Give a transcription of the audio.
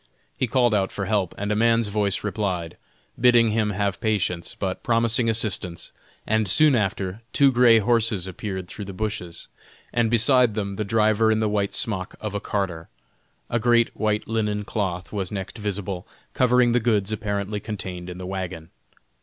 He called out for help; and a man's voice replied, bidding him have patience, but promising assistance; and soon after, two gray horses appeared through the bushes, and beside them the driver in the white smock of a carter; a great white linen cloth was next visible, covering the goods apparently contained in the wagon.